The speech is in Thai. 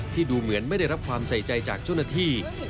ดูเหมือนไม่ได้รับความใส่ใจจากเจ้าหน้าที่